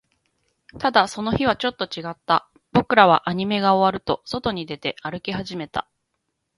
ただ、その日はちょっと違った。僕らはアニメが終わると、外に出て、歩き始めた。